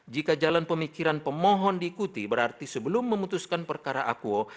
jika jalan pemikiran pemohon diikuti berarti sebelum memutuskan perkara akuo